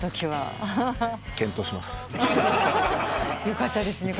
よかったですね